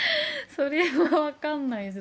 それは分かんないです。